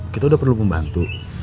kita udah perlu membantu